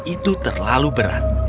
itu terlalu berat